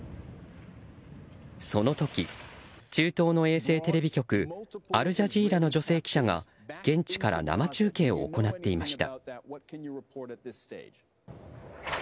その時、中東の衛星テレビ局アルジャジーラの女性記者が現地から生中継を行っていました。